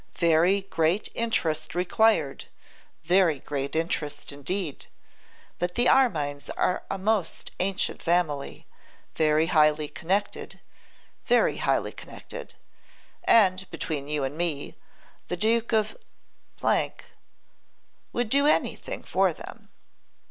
Very great interest required, very great interest, indeed. But the Armines are a most ancient family, very highly connected, very highly connected; and, between you and me, the Duke of would do anything for them.